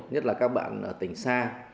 nhất là các bạn ở tỉnh xa